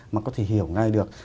mà có thể hiểu ngay được